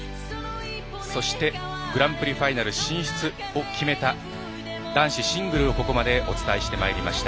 そして、グランプリファイナル進出を決めた男子シングルをここまでお伝えしてまいりました。